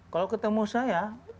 kalau ketemu saya